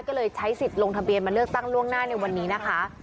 ก็เลยใช้สิทธิ์ลงทะเบียนมาเลือกตั้งล่วงหน้าในวันนี้นะคะ